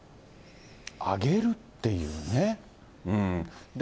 あげるっていうね。